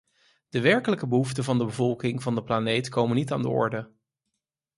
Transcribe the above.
De werkelijke behoeften van de bevolking van de planeet komen niet aan de orde.